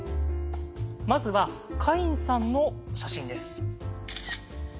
まずはカインさんの写真です。